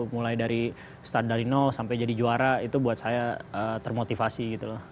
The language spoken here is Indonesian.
mulai dari start dari nol sampai jadi juara itu buat saya termotivasi gitu loh